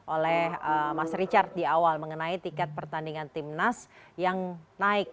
oleh mas richard di awal mengenai tiket pertandingan timnas yang naik